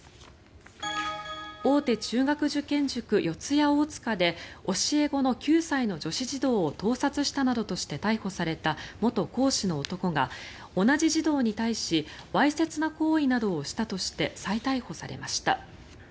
大手中学受験塾、四谷大塚で教え子の９歳の女子児童を盗撮したなどとして逮捕された元講師の男が、同じ児童に対しわいせつな行為などをしたとして再逮捕されました。